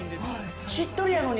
しっとりやのに。